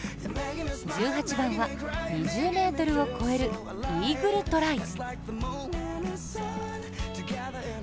１８番は２０ｍを超えるイーグルトライ。